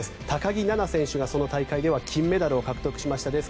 高木菜那選手がその大会では金メダルを獲得しました。